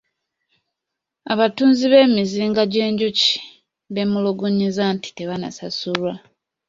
Abatunzi b'emizinga gy'enjuki beemulugunyizza nti tebannasasulwa.